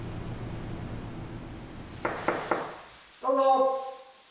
どうぞ。